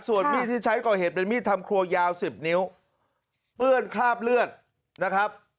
ส่วนมีดที่ใช้ก่อเหตุเป็นมีดทำครัวยาว๑๐นิ้วเปื้อนคราบเลือดนะครับ